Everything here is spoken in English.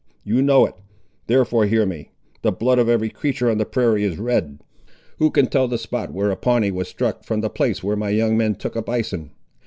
You know it. Therefore hear me. The blood of every creature on the prairie is red. Who can tell the spot where a Pawnee was struck, from the place where my young men took a bison?